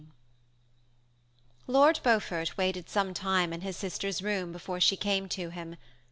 Lord Beaufort waited some time in his sister's room before she came to him.